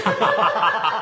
アハハハハ！